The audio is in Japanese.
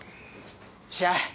試合